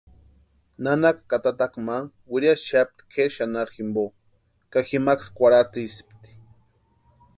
Nanaka ka tataka ma wiriapaxapti kʼeri xanharu jimpo ka jimkasï kwarhatsispti.